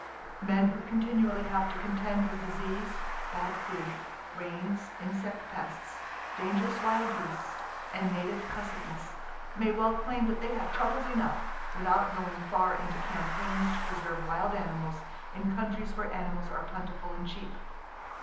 Men who continually have to contend with disease, bad food, rains, insect pests, dangerous wild beasts and native cussedness may well claim that they have troubles enough, without going far into campaigns to preserve wild animals in countries where animals are plentiful and cheap.